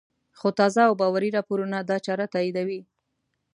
خو تازه او باوري راپورونه دا چاره تاییدوي